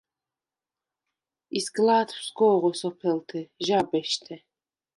ისგლა̄თვ სგო̄ღვე სოფელთე, ჟა̄ბეშთე.